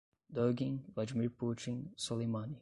Dugin, Vladimir Putin, Soleimani